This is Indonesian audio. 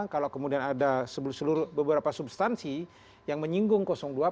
kalau kemudian ada beberapa substansi yang menyinggung dua